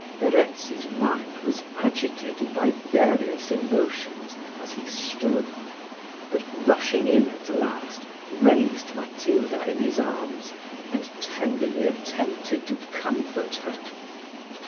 Verezzi's mind was agitated by various emotions as he stood; but rushing in at last, raised Matilda in his arms, and tenderly attempted to comfort her.